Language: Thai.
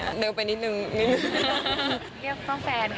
เท่านี้เราไปนิดหนึ่งนิดหนึ่ง